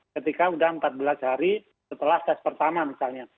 ketika sudah empat belas hari setelah tes pertama misalnya